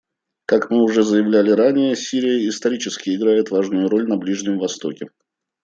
Как мы уже заявляли ранее, Сирия исторически играет важную роль на Ближнем Востоке.